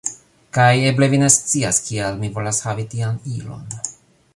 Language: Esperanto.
Kaj eble vi ne scias, kial mi volas havi tian ilon.